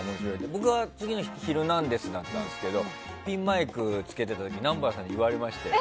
僕は次の日「ヒルナンデス！」だったんですけどピンマイクを付けてたら南原さんに言われました。